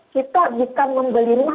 kita jika membeli rumah